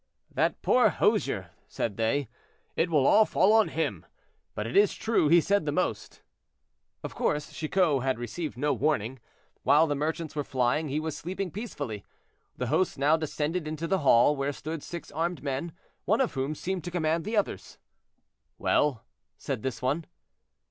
"That poor hosier!" said they; "it will all fall on him; but it is true he said the most." Of course Chicot had received no warning. While the merchants were flying, he was sleeping peacefully. The host now descended into the hall, where stood six armed men, one of whom seemed to command the others. "Well?" said this one.